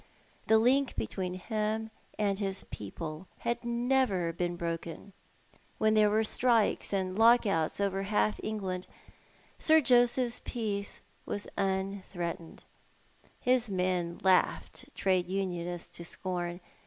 The link between him and his people had never been broken. When tliere were strikes and lock outs over half England, Sir Joseph's peace was un threatened. His men laughed Trade Unionists to scorn.